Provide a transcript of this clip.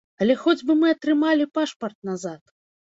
Але хоць бы мы атрымалі пашпарт назад!